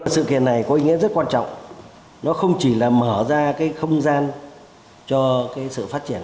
sự kiện này có ý nghĩa rất quan trọng nó không chỉ là mở ra cái không gian cho cái sự phát triển